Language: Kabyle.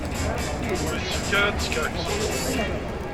Ur yessefk ara ad teskerksed.